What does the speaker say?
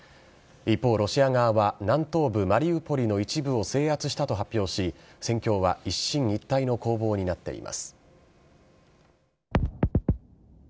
一方、ロシア側は南東部・マリウポリの一部を制圧したと発表し戦況は一進一退の攻防になっています。